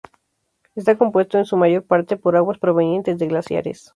Está compuesto en su mayor parte por aguas provenientes de glaciares.